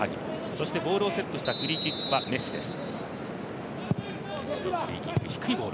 そしてボールをセットしたフリーキックはメッシです。